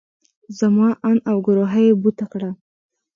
زما اند او ګروهه يې بوته کړه.